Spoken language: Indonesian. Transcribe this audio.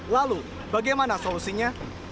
lalu bagaimana solusinya